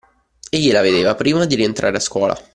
Egli la vedeva prima di rientrare a scuola